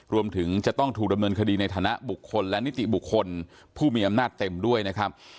รวมถึงจะต้องถูกดำเนินคดีในฐานะบุคคลและนิติบุคคลผู้มีอำนาจเต็มด้วยนะครับ